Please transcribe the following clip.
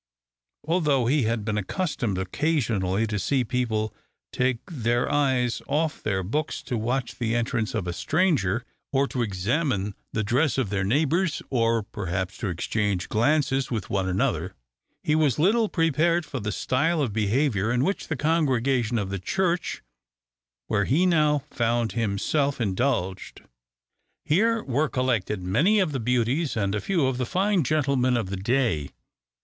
Although he had been accustomed occasionally to see people take their eyes off their books to watch the entrance of a stranger, or to examine the dress of their neighbours, or perhaps to exchange glances with one another, he was little prepared for the style of behaviour in which the congregation of the church where he now found himself indulged. Here were collected many of the beauties, and a few of the fine gentlemen of the day.